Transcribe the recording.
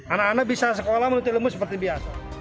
anak anak bisa sekolah menuntut lemu seperti biasa